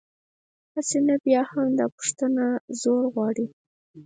هسې، نه بیا هم، دا پوښتنه زور غواړي.